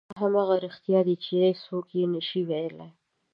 دا همغه رښتیا دي چې څوک یې نه شي ویلی.